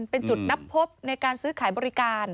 เป็นจุดนับพบในการซื้อขายบริการ